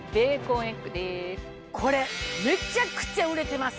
これめちゃくちゃ売れてます。